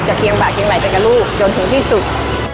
เคียงบ่าเคียงไหลไปกับลูกจนถึงที่สุด